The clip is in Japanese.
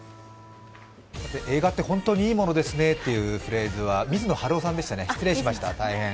映画って本当にいいものですねっていうフレーズは水野晴郎さんでしたね、失礼しました。